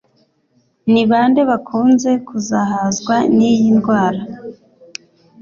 Ni bande bakunze kuzahazwa n'iyi ndwara?